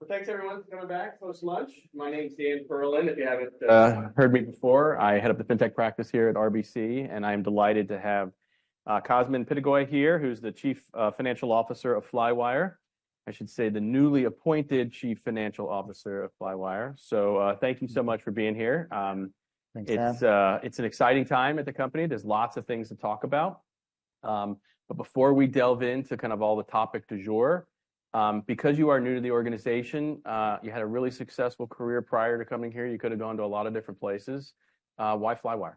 Well, thanks everyone for coming back post-lunch. My name's Dan Perlin. If you haven't heard me before, I head up the fintech practice here at RBC, and I'm delighted to have Cosmin Pitigoi here, who's the chief financial officer of Flywire. I should say, the newly appointed chief financial officer of Flywire. Thank you so much for being here. Thanks, Dan. It's, it's an exciting time at the company. There's lots of things to talk about. But before we delve into kind of all the topic du jour, because you are new to the organization, you had a really successful career prior to coming here. You could have gone to a lot of different places. Why Flywire?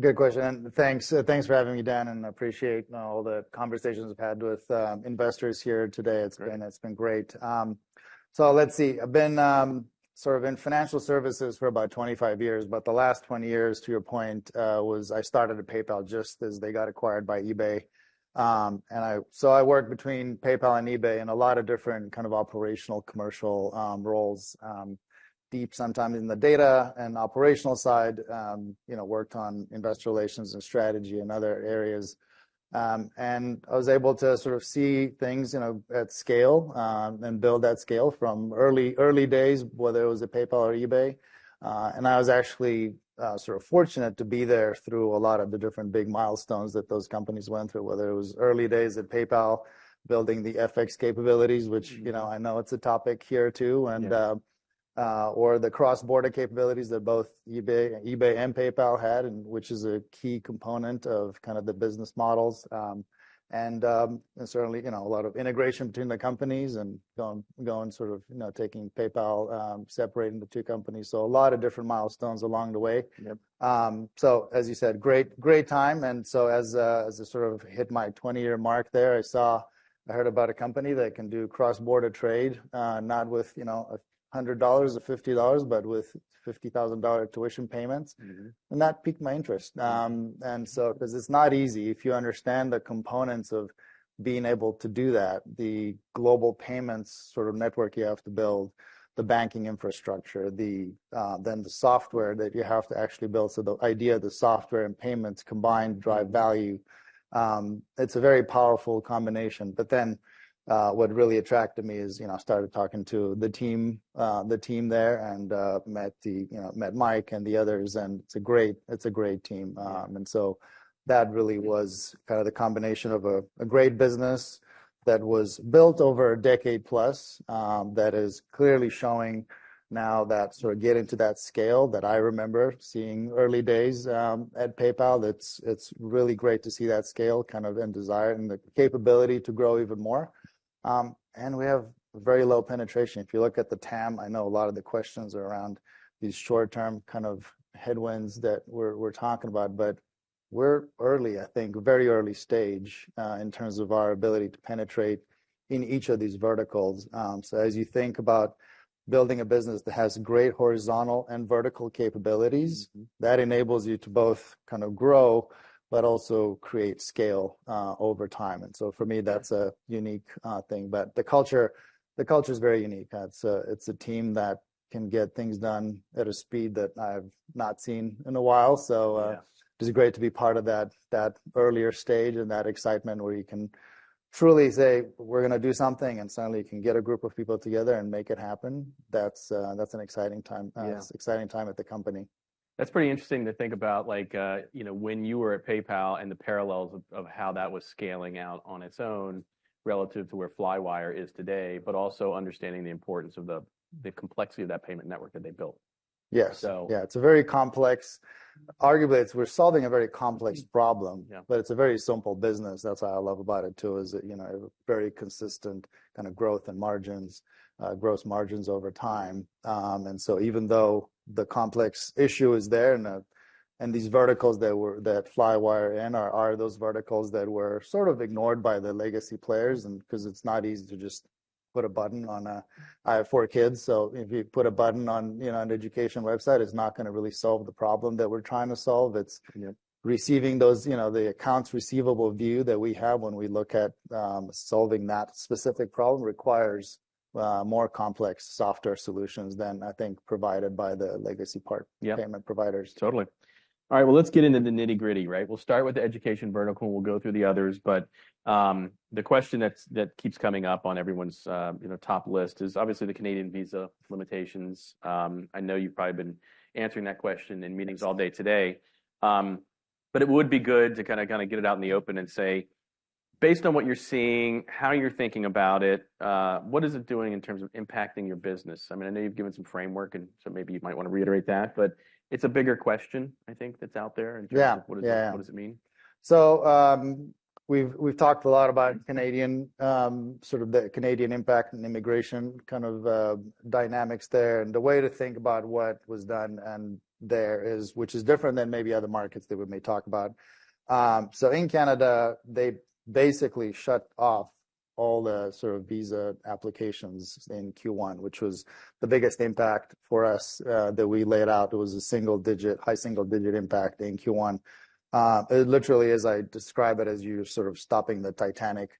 Good question, and thanks. Thanks for having me, Dan, and I appreciate all the conversations I've had with investors here today. Great. It's been great. So let's see. I've been sort of in financial services for about 25 years, but the last 20 years, to your point, was I started at PayPal just as they got acquired by eBay. So I worked between PayPal and eBay in a lot of different kind of operational, commercial roles. Deep sometimes in the data and operational side. You know, worked on investor relations and strategy and other areas. And I was able to sort of see things, you know, at scale, and build that scale from early, early days, whether it was at PayPal or eBay. I was actually sort of fortunate to be there through a lot of the different big milestones that those companies went through, whether it was early days at PayPal, building the FX capabilities- Mm. -which, you know, I know it's a topic here too, and... Yeah. or the cross-border capabilities that both eBay and PayPal had, and which is a key component of kind of the business models. Certainly, you know, a lot of integration between the companies and going sort of, you know, taking PayPal, separating the two companies. So a lot of different milestones along the way. Yep. So as you said, great, great time, and so as I sort of hit my 20-year mark there, I heard about a company that can do cross-border trade, not with, you know, $100 or $50, but with $50,000 tuition payments. Mm-hmm. That piqued my interest. Yeah. 'Cause it's not easy if you understand the components of being able to do that, the global payments sort of network you have to build, the banking infrastructure, then the software that you have to actually build. So the idea of the software and payments combined drive value, it's a very powerful combination. But then, what really attracted me is, you know, I started talking to the team, the team there, and, you know, met Mike and the others, and it's a great team. Yeah. And so that really was kind of the combination of a great business that was built over a decade plus, that is clearly showing now that sort of getting to that scale that I remember seeing early days at PayPal. That's, it's really great to see that scale kind of and the desire and the capability to grow even more. And we have very low penetration. If you look at the TAM, I know a lot of the questions are around these short-term kind of headwinds that we're talking about, but we're early, I think, very early stage in terms of our ability to penetrate in each of these verticals. So as you think about building a business that has great horizontal and vertical capabilities- Mm. -that enables you to both kind of grow but also create scale over time, and so for me, that's a unique thing. But the culture, the culture is very unique. It's a, it's a team that can get things done at a speed that I've not seen in a while. So, Yeah... it's great to be part of that, that earlier stage and that excitement where you can truly say we're gonna do something, and suddenly you can get a group of people together and make it happen. That's, that's an exciting time- Yeah. It's an exciting time at the company. That's pretty interesting to think about, like, you know, when you were at PayPal and the parallels of how that was scaling out on its own relative to where Flywire is today, but also understanding the importance of the complexity of that payment network that they built. Yes. So- Yeah, it's a very complex... Arguably, it's—we're solving a very complex problem. Yeah. But it's a very simple business. That's what I love about it, too, is that, you know, very consistent kind of growth and margins, gross margins over time. And so even though the complex issue is there, and these verticals that were, that Flywire in are, are those verticals that were sort of ignored by the legacy players and 'cause it's not easy to just put a button on a- I have four kids, so if you put a button on, you know, an education website, it's not gonna really solve the problem that we're trying to solve. Yeah. It's receiving those, you know, the accounts receivable view that we have when we look at solving that specific problem requires more complex software solutions than I think provided by the legacy part- Yeah. payment providers. Totally. All right, well, let's get into the nitty-gritty, right? We'll start with the education vertical, and we'll go through the others, but the question that keeps coming up on everyone's, you know, top list is obviously the Canadian visa limitations. I know you've probably been answering that question in meetings all day today- Yes... but it would be good to kind of, kind of get it out in the open and say, based on what you're seeing, how you're thinking about it, what is it doing in terms of impacting your business? I mean, I know you've given some framework, and so maybe you might want to reiterate that, but it's a bigger question, I think, that's out there in terms of- Yeah, yeah... what does it mean? So, we've talked a lot about Canadian sort of the Canadian impact and immigration kind of dynamics there. And the way to think about what was done there is, which is different than maybe other markets that we may talk about. So in Canada, they basically shut off all the sort of visa applications in Q1, which was the biggest impact for us that we laid out. It was a single-digit, high single-digit impact in Q1. It literally is, I describe it as you sort of stopping the Titanic.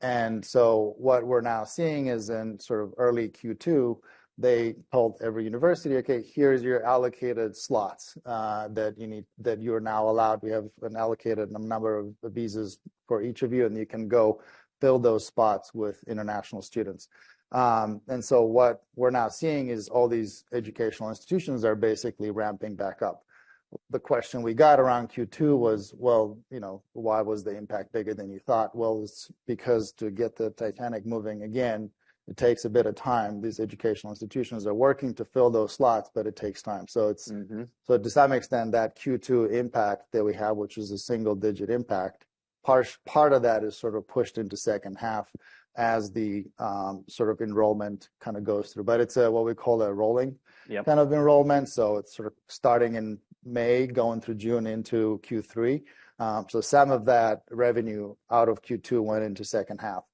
And so what we're now seeing is in sort of early Q2, they told every university, "Okay, here's your allocated slots that you need, that you are now allowed. We have an allocated number of visas for each of you, and you can go fill those spots with international students." And so what we're now seeing is all these educational institutions are basically ramping back up... the question we got around Q2 was: Well, you know, why was the impact bigger than you thought? Well, it's because to get the Titanic moving again, it takes a bit of time. These educational institutions are working to fill those slots, but it takes time. So it's- Mm-hmm. So to some extent, that Q2 impact that we had, which was a single-digit impact, part of that is sort of pushed into second half as the sort of enrollment kind of goes through. But it's what we call a rolling- Yep kind of enrollment, so it's sort of starting in May, going through June into Q3. So some of that revenue out of Q2 went into second half.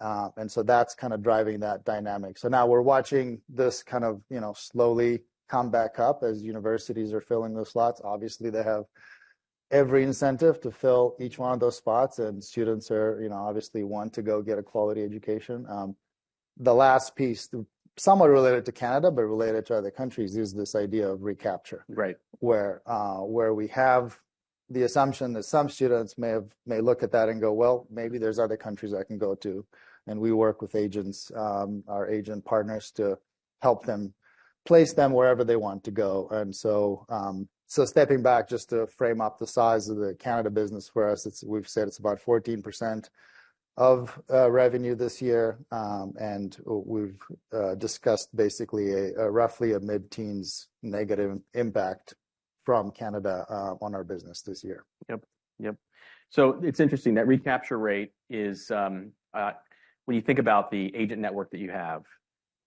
And so that's kind of driving that dynamic. So now we're watching this kind of, you know, slowly come back up as universities are filling those slots. Obviously, they have every incentive to fill each one of those spots, and students are, you know, obviously want to go get a quality education. The last piece, somewhat related to Canada, but related to other countries, is this idea of recapture. Right. Where we have the assumption that some students may look at that and go, "Well, maybe there's other countries I can go to." And we work with agents, our agent partners, to help them place them wherever they want to go. And so, stepping back just to frame up the size of the Canada business for us, it's. We've said it's about 14% of revenue this year. And we've discussed basically a roughly mid-teens negative impact from Canada on our business this year. Yep, yep. So it's interesting, that recapture rate is, when you think about the agent network that you have,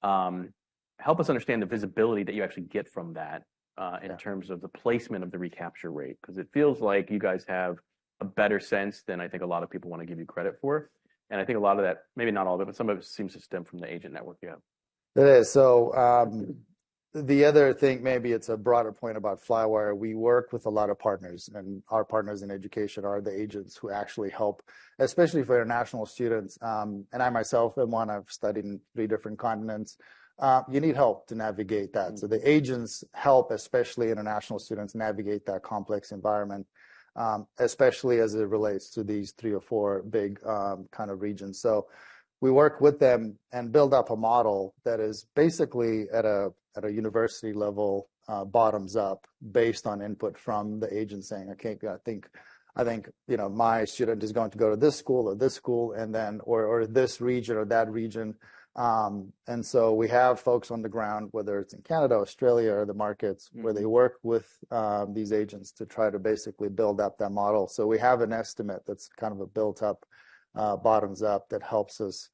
help us understand the visibility that you actually get from that, Yeah... in terms of the placement of the recapture rate, because it feels like you guys have a better sense than I think a lot of people want to give you credit for. And I think a lot of that, maybe not all of it, but some of it seems to stem from the agent network you have. It is. So, the other thing, maybe it's a broader point about Flywire. We work with a lot of partners, and our partners in education are the agents who actually help, especially for international students. And I myself am one. I've studied in three different continents. You need help to navigate that. Mm. So the agents help, especially international students, navigate that complex environment, especially as it relates to these three or four big kind of regions. So we work with them and build up a model that is basically at a university level, bottoms up, based on input from the agent saying, "Okay, I think, I think, you know, my student is going to go to this school or this school, and then or, or this region or that region." And so we have folks on the ground, whether it's in Canada, Australia, or other markets- Mm-hmm... where they work with, these agents to try to basically build out that model. So we have an estimate that's kind of a built-up, bottoms-up, that helps us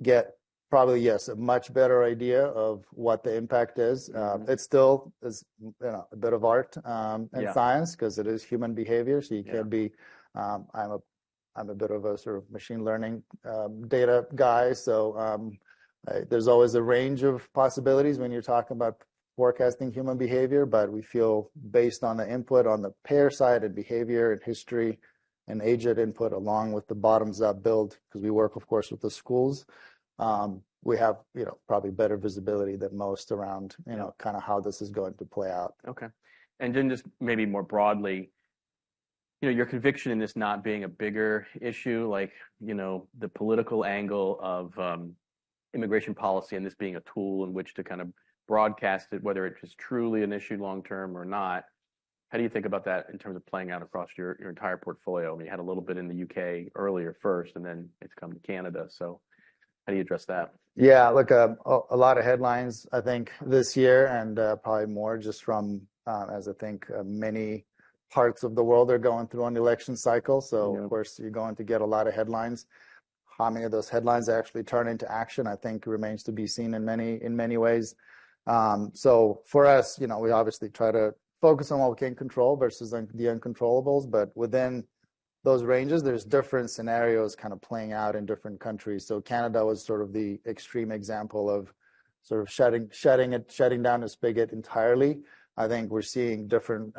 get probably, yes, a much better idea of what the impact is. Mm-hmm. It still is, you know, a bit of art. Yeah... and science because it is human behavior, so you can be- Yeah. I'm a bit of a sort of machine learning data guy, so there's always a range of possibilities when you're talking about forecasting human behavior. But we feel based on the input, on the payer side and behavior and history and agent input, along with the bottoms-up build, 'cause we work, of course, with the schools, we have, you know, probably better visibility than most around, you know, kind of how this is going to play out. Okay. And then just maybe more broadly, you know, your conviction in this not being a bigger issue, like, you know, the political angle of immigration policy and this being a tool in which to kind of broadcast it, whether it is truly an issue long term or not. How do you think about that in terms of playing out across your, your entire portfolio? I mean, you had a little bit in the UK earlier first, and then it's come to Canada, so how do you address that? Yeah, look, a lot of headlines, I think, this year, and probably more just from, as I think many parts of the world are going through an election cycle. Yeah. So of course, you're going to get a lot of headlines. How many of those headlines actually turn into action, I think remains to be seen in many, in many ways. So for us, you know, we obviously try to focus on what we can control versus the uncontrollables. But within those ranges, there's different scenarios kind of playing out in different countries. So Canada was sort of the extreme example of sort of shutting down its spigot entirely. I think we're seeing different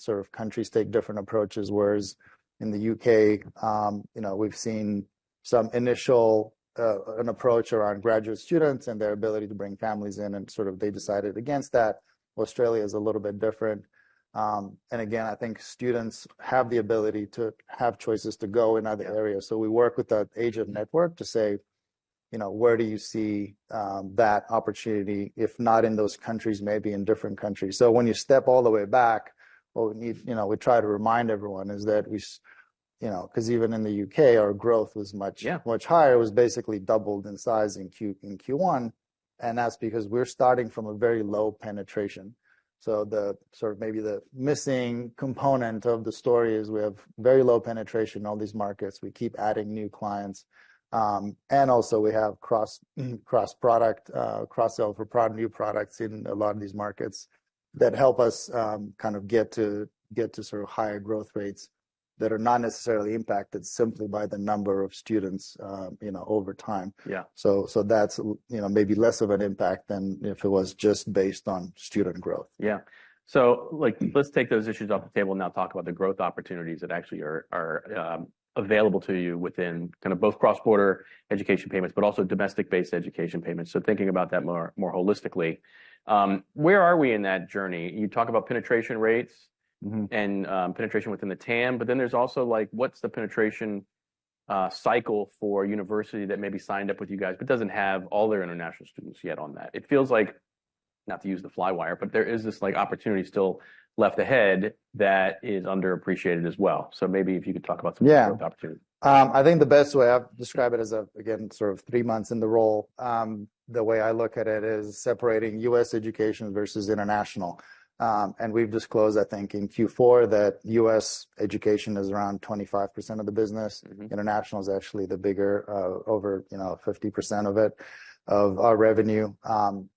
sort of countries take different approaches, whereas in the U.K., you know, we've seen some initial an approach around graduate students and their ability to bring families in, and sort of they decided against that. Australia is a little bit different. And again, I think students have the ability to have choices to go in other areas. So we work with that agent network to say, you know, where do you see that opportunity, if not in those countries, maybe in different countries? So when you step all the way back, what we need—you know, we try to remind everyone is that we, you know, 'cause even in the U.K., our growth was much- Yeah... much higher. It was basically doubled in size in Q1, and that's because we're starting from a very low penetration. So the sort of maybe the missing component of the story is we have very low penetration in all these markets. We keep adding new clients, and also we have cross-product cross-sell for new products in a lot of these markets that help us kind of get to get to sort of higher growth rates that are not necessarily impacted simply by the number of students, you know, over time. Yeah. So that's, you know, maybe less of an impact than if it was just based on student growth. Yeah. So, like, let's take those issues off the table and now talk about the growth opportunities that actually are Yeah... available to you within kind of both cross-border education payments, but also domestic-based education payments. So thinking about that more, more holistically, where are we in that journey? You talk about penetration rates- Mm-hmm... and penetration within the TAM, but then there's also, like, what's the cycle for a university that maybe signed up with you guys but doesn't have all their international students yet on that? It feels like, not to use the Flywire, but there is this like opportunity still left ahead that is underappreciated as well. So maybe if you could talk about some of the opportunities. Yeah. I think the best way I've described it as of, again, sort of three months in the role, the way I look at it is separating U.S. education versus international. And we've disclosed, I think, in Q4, that U.S. education is around 25% of the business. Mm-hmm. International is actually the bigger, over, you know, 50% of it, of our revenue.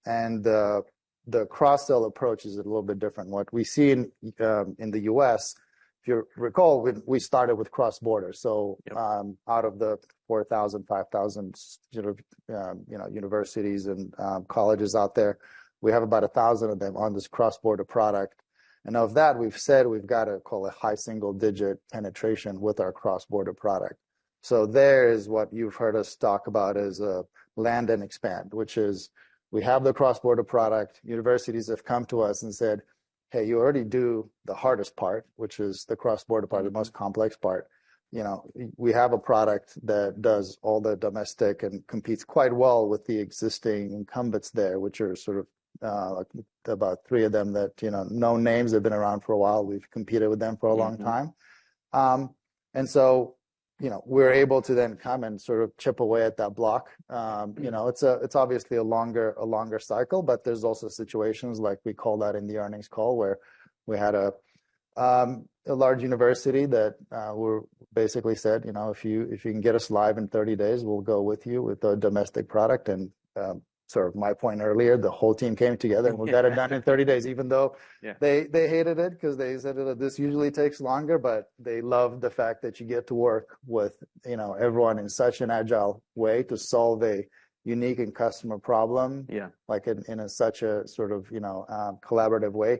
And the cross-sell approach is a little bit different. What we see in the U.S., if you recall, we started with cross-border. Yeah. So, out of the 4,000-5,000, you know, universities and colleges out there, we have about 1,000 of them on this cross-border product. And of that, we've said we've got a, call it, high single-digit penetration with our cross-border product. So there is what you've heard us talk about as land and expand, which is we have the cross-border product. Universities have come to us and said, "Hey, you already do the hardest part, which is the cross-border part, the most complex part." You know, we have a product that does all the domestic and competes quite well with the existing incumbents there, which are sort of about 3 of them that, you know, known names have been around for a while. We've competed with them for a long time. Mm-hmm. So, you know, we're able to then come and sort of chip away at that block. You know, it's obviously a longer cycle, but there are also situations like we called out in the earnings call, where we had a large university that basically said, "You know, if you can get us live in 30 days, we'll go with you with the domestic product." So my point earlier, the whole team came together, and we got it done in 30 days, even though Yeah... they hated it 'cause they said that this usually takes longer, but they loved the fact that you get to work with, you know, everyone in such an agile way to solve a unique and customer problem. Yeah Like in such a sort of, you know, collaborative way.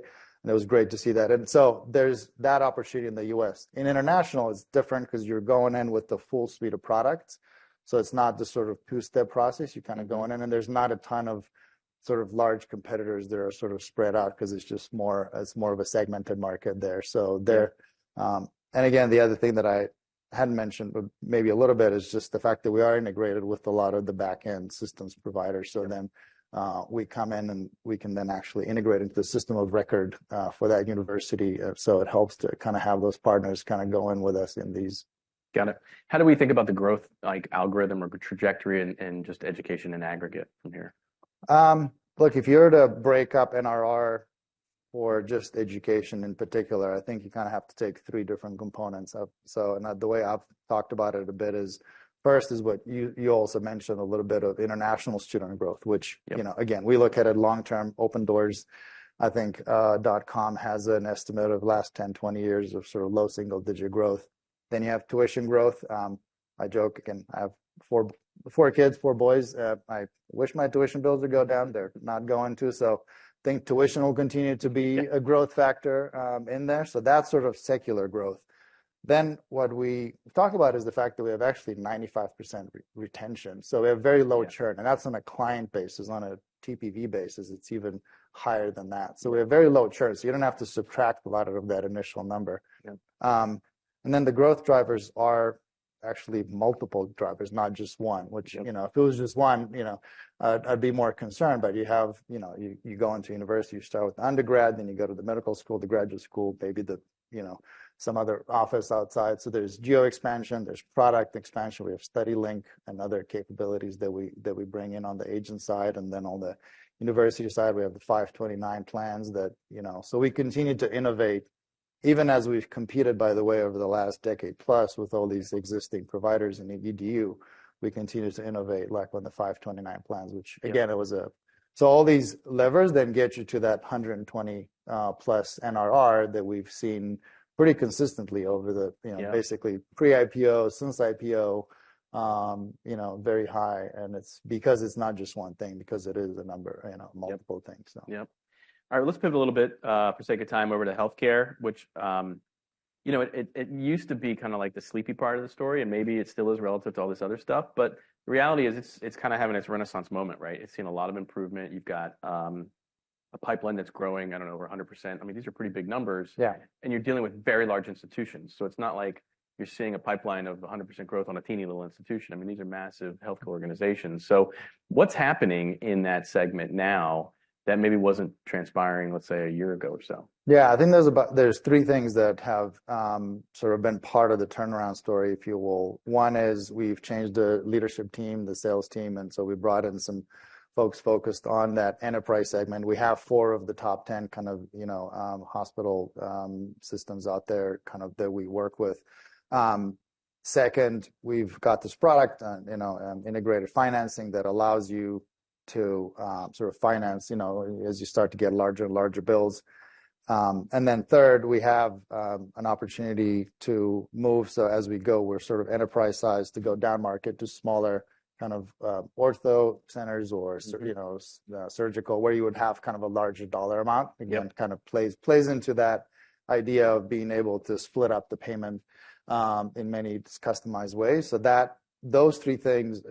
And it was great to see that. And so there's that opportunity in the U.S. In international, it's different 'cause you're going in with the full suite of products, so it's not the sort of two-step process. You're kind of going in, and there's not a ton of sort of large competitors that are sort of spread out 'cause it's just more, it's more of a segmented market there. So there. And again, the other thing that I hadn't mentioned, but maybe a little bit, is just the fact that we are integrated with a lot of the back-end systems providers. So then, we come in, and we can then actually integrate into the system of record for that university. So it helps to kinda have those partners kinda going with us in these. Got it. How do we think about the growth, like, algorithm or trajectory in just education in aggregate from here? Look, if you were to break up NRR for just education in particular, I think you kind of have to take three different components up. And the way I've talked about it a bit is, first is what you also mentioned a little bit of international student growth, which- Yep You know, again, we look at it long-term. Open Doors, I think, .com, has an estimate of the last 10-20 years of sort of low single-digit growth. Then you have tuition growth. I joke, and I have four kids, four boys. I wish my tuition bills would go down. They're not going to, so I think tuition will continue to be a growth factor, in there. So that's sort of secular growth. Then what we talk about is the fact that we have actually 95% retention, so we have very low churn- Yeah and that's on a client basis, on a TPV basis, it's even higher than that. So we have very low churn, so you don't have to subtract a lot of that initial number. Yep. And then the growth drivers are actually multiple drivers, not just one. Yep. Which, you know, if it was just one, you know, I'd, I'd be more concerned. But you have, you know, you, you go into university, you start with the undergrad, then you go to the medical school, the graduate school, maybe the, you know, some other office outside. So there's geo expansion, there's product expansion. We have StudyLink and other capabilities that we, that we bring in on the agent side, and then on the university side, we have the 529 plans that, you know... So we continue to innovate, even as we've competed, by the way, over the last decade plus, with all these existing providers in EDU. We continue to innovate, like with the 529 plans, which- Yeah Again, it was a... So all these levers then get you to that 120+ NRR that we've seen pretty consistently over the- Yeah You know, basically pre-IPO, since IPO, you know, very high, and it's because it's not just one thing, because it is a number, you know. Yep multiple things, so. Yep. All right, let's pivot a little bit for sake of time over to healthcare, which, you know, it, it, it used to be kind of like the sleepy part of the story, and maybe it still is relative to all this other stuff, but the reality is, it's, it's kind of having its renaissance moment, right? It's seen a lot of improvement. You've got a pipeline that's growing, I don't know, over 100%. I mean, these are pretty big numbers. Yeah. You're dealing with very large institutions, so it's not like you're seeing a pipeline of 100% growth on a teeny little institution. I mean, these are massive healthcare organizations. What's happening in that segment now that maybe wasn't transpiring, let's say, a year ago or so? Yeah, I think there's about three things that have sort of been part of the turnaround story, if you will. One is we've changed the leadership team, the sales team, and so we brought in some folks focused on that enterprise segment. We have four of the top 10 kind of, you know, hospital systems out there, kind of, that we work with. Second, we've got this product, you know, integrated financing that allows you to sort of finance, you know, as you start to get larger and larger bills. And then third, we have an opportunity to move, so as we go, we're sort of enterprise-sized to go down market to smaller, kind of, ortho centers or sur- Mm-hmm You know, surgical, where you would have kind of a larger dollar amount. Yep. Again, kind of plays into that idea of being able to split up the payment in many customized ways. So that, those three things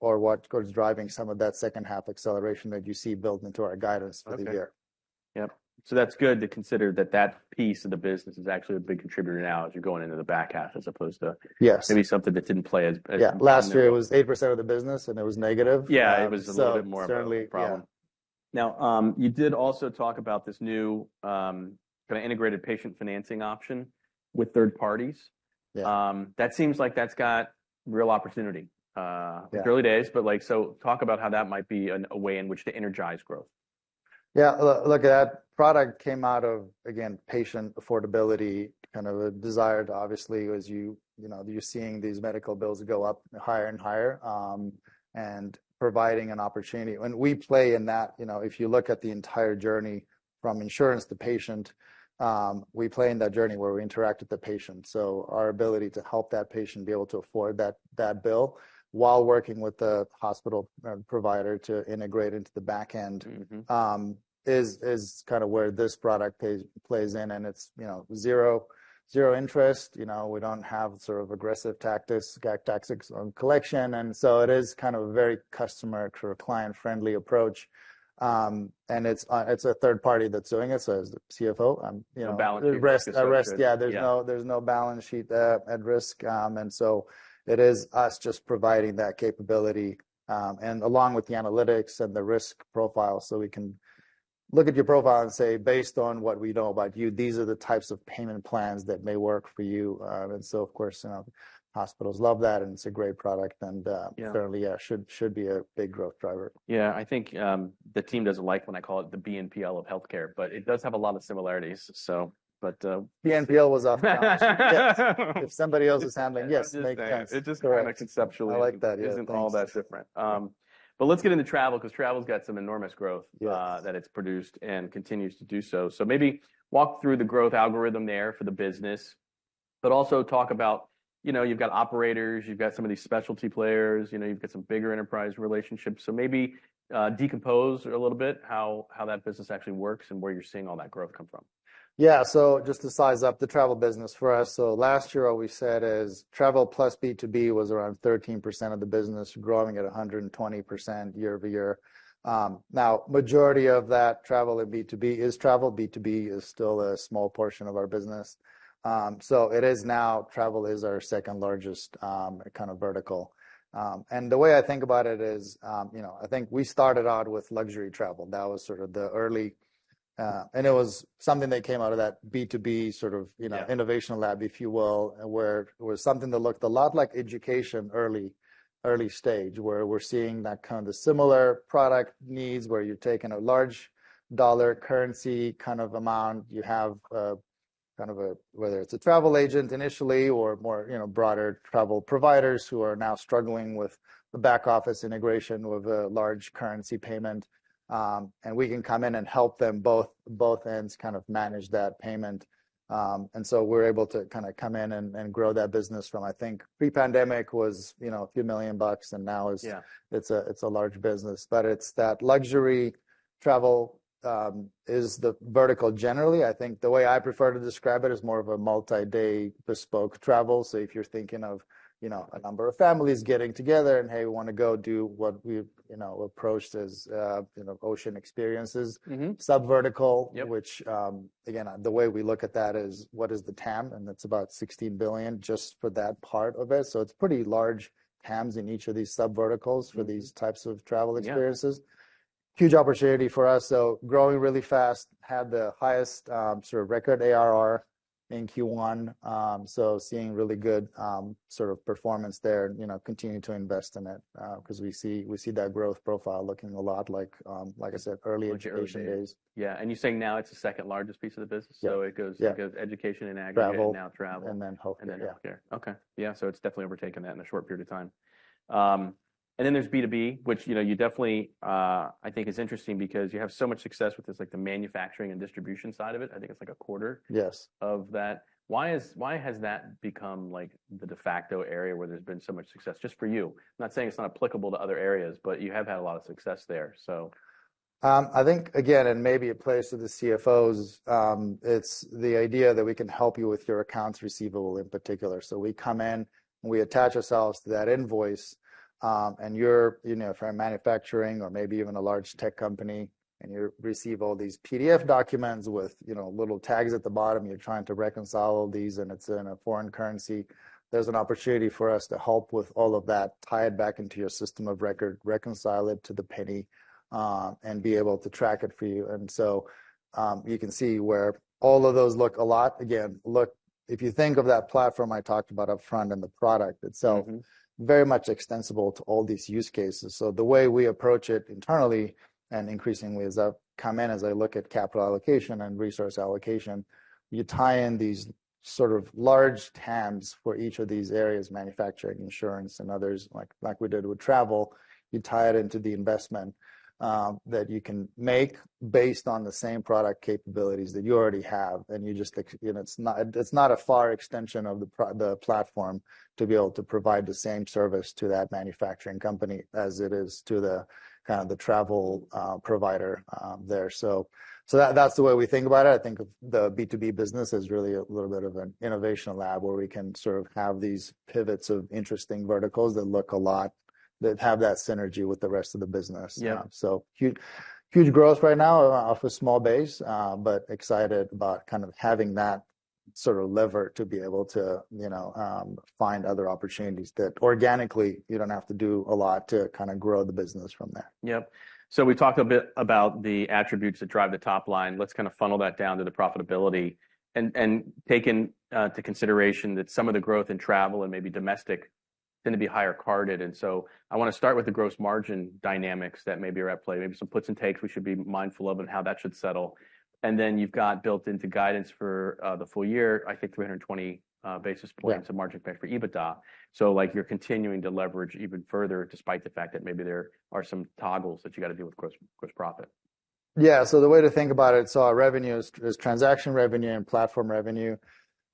are what is driving some of that second-half acceleration that you see built into our guidance for the year.... Yep. So that's good to consider that, that piece of the business is actually a big contributor now as you're going into the back half, as opposed to- Yes. Maybe something that didn't play as Yeah, last year it was 8% of the business, and it was negative. Yeah, it was a little bit more of a problem. Certainly, yeah. Now, you did also talk about this new, kind of integrated patient financing option with third parties. Yeah. That seems like that's got real opportunity. Yeah. Early days, but like, so talk about how that might be a way in which to energize growth. Yeah, look, that product came out of, again, patient affordability, kind of a desire to obviously, as you, you know, you're seeing these medical bills go up higher and higher. And providing an opportunity... And we play in that, you know, if you look at the entire journey from insurance to patient, we play in that journey where we interact with the patient. So our ability to help that patient be able to afford that, that bill, while working with the hospital and provider to integrate into the back end- Mm-hmm. is kind of where this product plays in, and it's, you know, zero-zero interest. You know, we don't have sort of aggressive tactics on collection, and so it is kind of a very customer- or client-friendly approach. And it's a third party that's doing it, so as the CFO, I'm, you know- The balance sheet.... The rest, the rest, yeah. Yeah. There's no balance sheet at risk, and so it is us just providing that capability, and along with the analytics and the risk profile. So we can look at your profile and say, "Based on what we know about you, these are the types of payment plans that may work for you." And so of course, hospitals love that, and it's a great product, and Yeah. Yeah, should be a big growth driver. Yeah, I think, the team doesn't like when I call it the BNPL of healthcare, but it does have a lot of similarities, so... But BNPL was off the table. If somebody else is handling, yes, make sense. It just kind of conceptually- I like that, yeah. -isn't all that different. But let's get into travel, because travel's got some enormous growth- Yes that it's produced and continues to do so. So maybe walk through the growth algorithm there for the business, but also talk about, you know, you've got operators, you've got some of these specialty players, you know, you've got some bigger enterprise relationships. So maybe, decompose a little bit how that business actually works and where you're seeing all that growth come from. Yeah. So just to size up the travel business for us, so last year, what we said is travel plus B2B was around 13% of the business, growing at 120% year-over-year. Now, majority of that travel and B2B is travel. B2B is still a small portion of our business. So it is now, travel is our second largest, kind of vertical. And the way I think about it is, you know, I think we started out with luxury travel. That was sort of the early, And it was something that came out of that B2B sort of- Yeah -you know, innovation lab, if you will, where it was something that looked a lot like education early, early stage, where we're seeing that kind of the similar product needs, where you're taking a large dollar currency kind of amount. You have, kind of a, whether it's a travel agent initially or more, you know, broader travel providers who are now struggling with the back-office integration with a large currency payment, and we can come in and help them both, both ends kind of manage that payment. And so we're able to kind of come in and, and grow that business from, I think pre-pandemic was, you know, $a few million, and now it's- Yeah... it's a large business. But it's that luxury travel is the vertical generally. I think the way I prefer to describe it is more of a multi-day bespoke travel. So if you're thinking of, you know, a number of families getting together, and hey, we want to go do what we, you know, approached as, you know, Ocean Experiences. Mm-hmm. Sub-vertical. Yep. Which, again, the way we look at that is what is the TAM? And it's about $16 billion just for that part of it. So it's pretty large TAMs in each of these sub-verticals. Mm for these types of travel experiences. Yeah. Huge opportunity for us, so growing really fast. Had the highest, sort of record ARR in Q1. So seeing really good, sort of performance there and, you know, continuing to invest in it, because we see that growth profile looking a lot like, like I said, early education days. Yeah. And you're saying now it's the second largest piece of the business? Yeah. So it goes. Yeah It goes education and aggregate. Travel. -now travel. And then health, yeah. And then healthcare. Okay. Yeah, so it's definitely overtaken that in a short period of time. And then there's B2B, which, you know, you definitely, I think it's interesting because you have so much success with just like the manufacturing and distribution side of it. I think it's like a quarter- Yes -of that. Why has that become like the de facto area where there's been so much success, just for you? I'm not saying it's not applicable to other areas, but you have had a lot of success there, so... I think again, and maybe it plays to the CFOs, it's the idea that we can help you with your accounts receivable in particular. So we come in, and we attach ourselves to that invoice, and you're, you know, if you're in manufacturing or maybe even a large tech company, and you receive all these PDF documents with, you know, little tags at the bottom, you're trying to reconcile all these, and it's in a foreign currency. There's an opportunity for us to help with all of that, tie it back into your system of record, reconcile it to the penny, and be able to track it for you. And so, you can see where all of those look a lot... Again, look, if you think of that platform I talked about upfront and the product itself- Mm-hmm Very much extensible to all these use cases. So the way we approach it internally and increasingly as I've come in, as I look at capital allocation and resource allocation, you tie in these sort of large TAMs for each of these areas, manufacturing, insurance, and others, like we did with travel. You tie it into the investment that you can make based on the same product capabilities that you already have, and you just like, you know, it's not a far extension of the platform to be able to provide the same service to that manufacturing company as it is to the kind of travel provider there. So that, that's the way we think about it. I think of the B2B business as really a little bit of an innovation lab, where we can sort of have these pivots of interesting verticals that have that synergy with the rest of the business. Yeah. So huge, huge growth right now off a small base, but excited about kind of having that sort of lever to be able to, you know, find other opportunities that organically you don't have to do a lot to kind of grow the business from there. Yep. So we talked a bit about the attributes that drive the top line. Let's kind of funnel that down to the profitability and, and take into consideration that some of the growth in travel and maybe domestic tend to be higher carded. And so I wanna start with the gross margin dynamics that maybe are at play, maybe some puts and takes we should be mindful of and how that should settle. And then you've got built into guidance for, the full year, I think 320 basis points- Yeah of margin expansion for EBITDA. So, like, you're continuing to leverage even further, despite the fact that maybe there are some toggles that you've got to do with gross profit. Yeah. So the way to think about it, so our revenue is, is transaction revenue and platform revenue.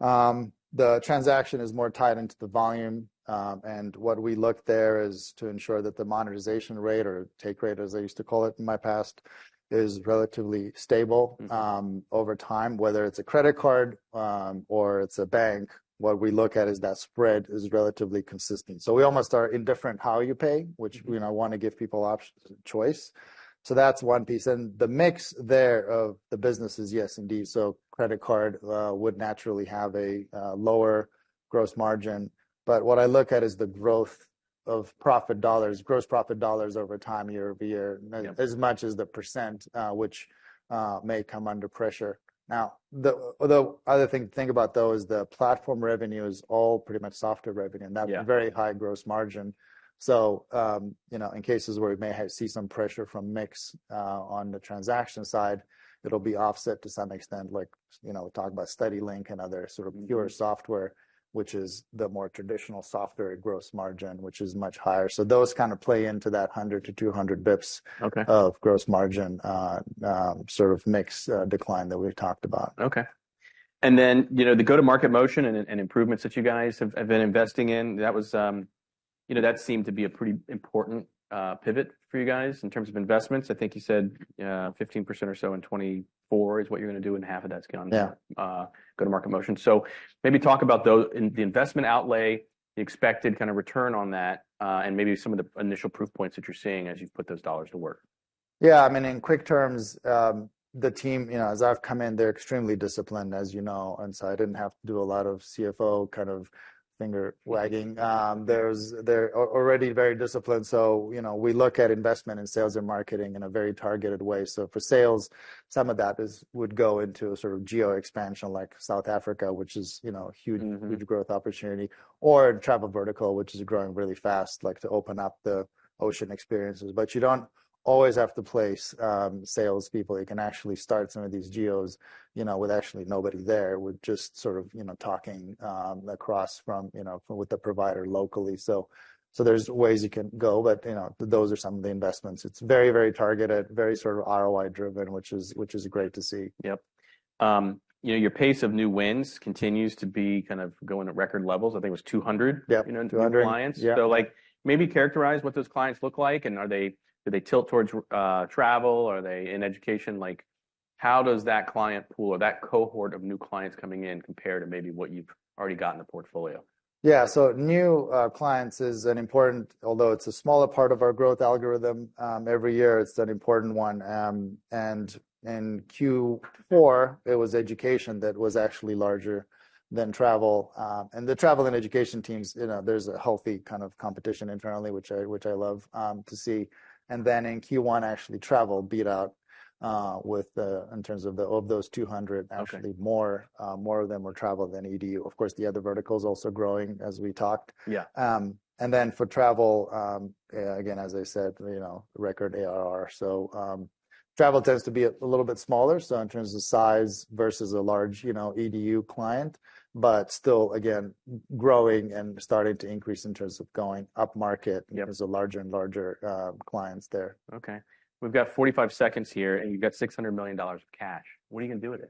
The transaction is more tied into the volume, and what we look there is to ensure that the monetization rate, or take rate, as I used to call it in my past, is relatively stable- Mm-hmm... over time, whether it's a credit card, or it's a bank. What we look at is that spread is relatively consistent. So we almost are indifferent how you pay, which, you know, wanna give people options and choice. So that's one piece. And the mix there of the business is yes, indeed, so credit card, would naturally have a, lower gross margin. But what I look at is the growth of profit dollars, gross profit dollars over time, year over year- Yeah... as much as the percent, which may come under pressure. Now, the other thing to think about, though, is the platform revenue is all pretty much software revenue- Yeah and that's very high gross margin. So, you know, in cases where we may have to see some pressure from mix, on the transaction side, it'll be offset to some extent, like, you know, talk about StudyLink and other sort of- Mm-hmm... pure software, which is the more traditional software gross margin, which is much higher. So those kind of play into that 100-200 bps- Okay... of gross margin, sort of mix, decline that we've talked about. Okay. And then, you know, the go-to-market motion and improvements that you guys have been investing in, that was, you know, that seemed to be a pretty important pivot for you guys in terms of investments. I think you said fifteen percent or so in 2024 is what you're gonna do, and half of that's gonna- Yeah Go-to-market motion. So maybe talk about the investment outlay, the expected kind of return on that, and maybe some of the initial proof points that you're seeing as you've put those dollars to work. Yeah, I mean, in quick terms, the team, you know, as I've come in, they're extremely disciplined, as you know, and so I didn't have to do a lot of CFO kind of finger-wagging. Right. They're already very disciplined. So, you know, we look at investment in sales and marketing in a very targeted way. So for sales, some of that would go into sort of geo expansion, like South Africa, which is, you know- Mm-hmm... huge, huge growth opportunity, or travel vertical, which is growing really fast, like to open up the Ocean Experiences. But you don't always have to place salespeople. You can actually start some of these geos, you know, with actually nobody there, with just sort of, you know, talking across from, you know, with the provider locally. So there's ways you can go, but, you know, those are some of the investments. It's very, very targeted, very sort of ROI driven, which is, which is great to see. Yep. You know, your pace of new wins continues to be kind of going at record levels. I think it was 200- Yep, 200. You know, new clients. Yeah. So, like, maybe characterize what those clients look like, and are they- do they tilt towards travel? Are they in education? Like, how does that client pool or that cohort of new clients coming in compare to maybe what you've already got in the portfolio? Yeah. So new clients is an important... Although it's a smaller part of our growth algorithm, every year, it's an important one. And in Q4, it was education that was actually larger than travel. And the travel and education teams, you know, there's a healthy kind of competition internally, which I, which I love, to see. And then in Q1, actually, travel beat out, with, in terms of those 200- Okay... actually more, more of them were travel than EDU. Of course, the other vertical is also growing, as we talked. Yeah. And then for travel, again, as I said, you know, record ARR. So, travel tends to be a little bit smaller, so in terms of size versus a large, you know, EDU client, but still, again, growing and starting to increase in terms of going upmarket. Yep... there's larger and larger clients there. Okay. We've got 45 seconds here, and you've got $600 million of cash. What are you gonna do with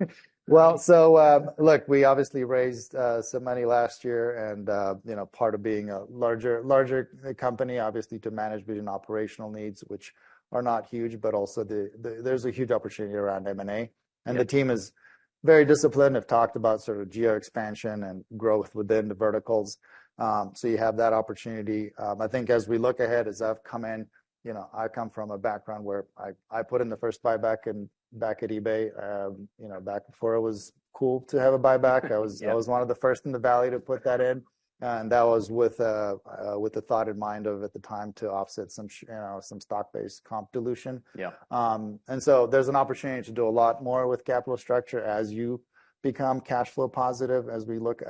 it? Well, so, look, we obviously raised some money last year, and, you know, part of being a larger company, obviously, to manage between operational needs, which are not huge, but also there's a huge opportunity around M&A. Yeah. The team is very disciplined. I've talked about sort of geo expansion and growth within the verticals. So you have that opportunity. I think as we look ahead, as I've come in, you know, I come from a background where I put in the first buyback in back at eBay, you know, back before it was cool to have a buyback. Yeah. I was one of the first in the Valley to put that in, and that was with the thought in mind of, at the time, to offset some you know, some stock-based comp dilution. Yeah. And so there's an opportunity to do a lot more with capital structure as you become cash flow positive, as we look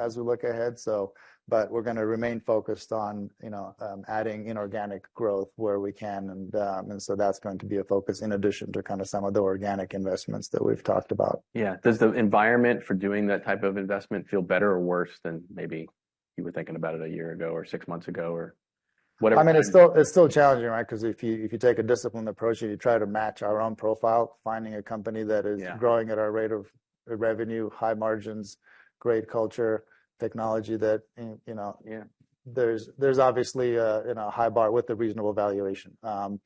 ahead. So, but we're gonna remain focused on, you know, adding inorganic growth where we can. And, and so that's going to be a focus in addition to kind of some of the organic investments that we've talked about. Yeah. Does the environment for doing that type of investment feel better or worse than maybe you were thinking about it a year ago or six months ago, or whatever- I mean, it's still, it's still challenging, right? 'Cause if you, if you take a disciplined approach and you try to match our own profile, finding a company that is- Yeah... growing at our rate of revenue, high margins, great culture, technology, that, and, you know- Yeah... there's obviously a, you know, a high bar with a reasonable valuation.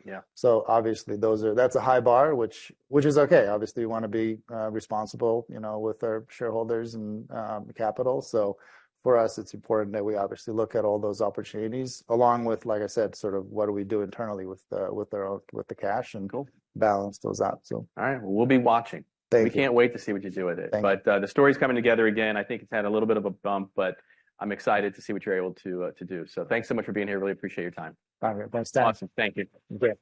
Yeah. So obviously, those are, that's a high bar, which is okay. Obviously, we wanna be responsible, you know, with our shareholders and capital. So for us, it's important that we obviously look at all those opportunities along with, like I said, sort of what do we do internally with the, with our own- with the cash- Cool... and balance those out, so. All right. We'll be watching. Thank you. We can't wait to see what you do with it. Thank you. But, the story's coming together again. I think it's had a little bit of a bump, but I'm excited to see what you're able to do. So thanks so much for being here. Really appreciate your time. All right. Thanks, Dan. Awesome. Thank you. Great.